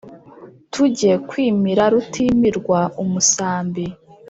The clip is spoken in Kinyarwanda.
Tujye kwimira Rutimirwa-Umusambi.